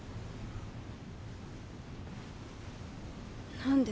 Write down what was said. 何で？